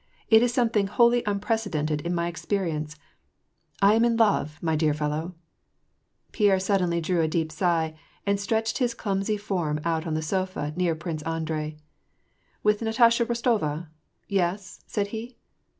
It is something wholly unprecedented in my experience. I am in love, my dear fellow." Pierre suddenly drew a deep sigh, and stretched his clumsy form out on the sofa near Prince Andrei. " With Natasha Rostova ? Yes ?" said he.